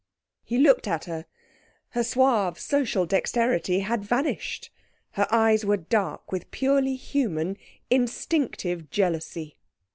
He looked at her. Her suave social dexterity had vanished. Her eyes were dark with purely human instinctive jealousy.